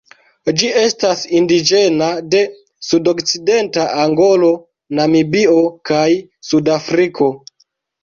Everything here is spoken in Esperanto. Ĝi estas indiĝena de sudokcidenta Angolo, Namibio kaj Sudafriko.